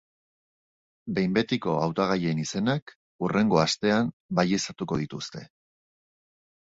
Behin betiko hautagaien izenak hurrengo astean baieztatuko dituzte.